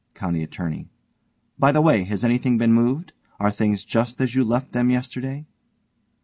COUNTY ATTORNEY: By the way, has anything been moved? Are things just as you left them yesterday?